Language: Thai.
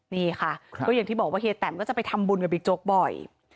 นี่ค่ะก็อย่างที่บอกว่าเคยนำข้าราชการจะไปทำบุญกับบิ๊กโจ๊กบ่อย